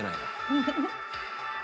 フフフッ。